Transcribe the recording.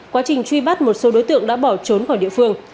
quá trình truy bắt một số đối tượng đã bỏ trốn khỏi địa phương